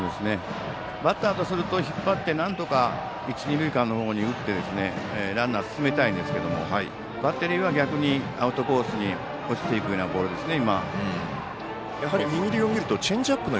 バッターとすると引っ張って、なんとか一、二塁間の方に打ってランナーを進めたいんですがバッテリーは、アウトコースに落ちていくようなボールですね。